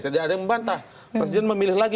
tidak ada yang membantah presiden memilih lagi